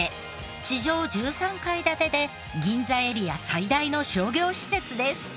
地上１３階建てで銀座エリア最大の商業施設です。